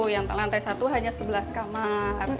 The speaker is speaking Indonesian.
yang lantai satu hanya sebelas kamar